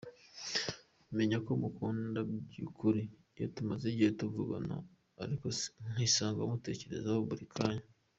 Menya ko mukunda by’ukuri iyo tumaze igihe tuvugana ariko nkisanga mutekerezaho buri kanya”.